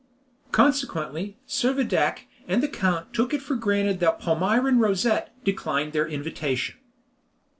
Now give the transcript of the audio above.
Consequently, Servadac and the count took it for granted that Palmyrin Rosette declined their invitation.